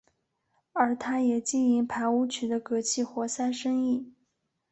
而他也经营排污渠的隔气活塞生意。